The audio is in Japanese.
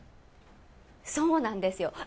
そうなんですよ。